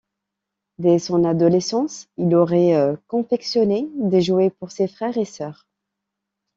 Dès son adolescence, il aurait confectionné des jouets pour ses frères et sœurs.